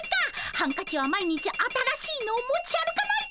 ハンカチは毎日新しいのを持ち歩かないと！